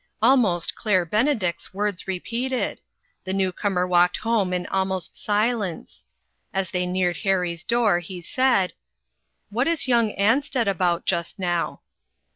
Almost Claire Benedict's words repeated. The newcomer walked home in almost si lence. As they neared Harry's door, he said : 388 INTERRUPTED. "What is young Ansted about just now?"